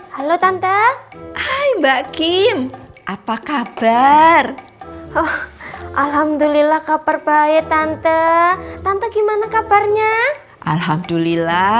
halo tante hai mbak kim apa kabar oh alhamdulillah kabar baik tante tante gimana kabarnya alhamdulillah